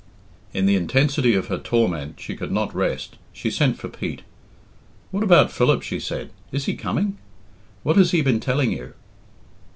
In the intensity of her torment she could not rest. She sent for Pete. "What about Philip?" she said. "Is he coming? What has he been telling you?"